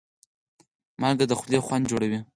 مالګه د خولې خوند جوړوي.